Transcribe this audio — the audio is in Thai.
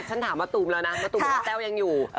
ฉันถามมาตูมแล้วนะคะนะคะมาตูมว่าแต้วยังอยู่